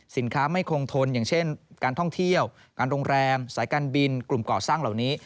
ไม่คงทนอย่างเช่นการท่องเที่ยวการโรงแรมสายการบินกลุ่มก่อสร้างเหล่านี้